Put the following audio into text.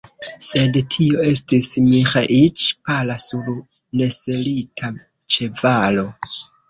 Sed tio estis Miĥeiĉ, pala, sur neselita ĉevalo.